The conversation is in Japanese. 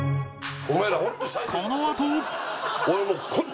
このあと